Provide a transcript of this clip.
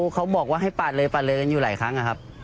เขาบอกว่าให้ปาดเลยปาดเลยอยู่หลายครั้ง